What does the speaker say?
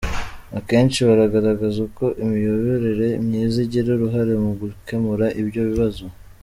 Akenshi bagaragaza uko imiyoborere myiza igira uruhare mu gukemura ibyo bibazo.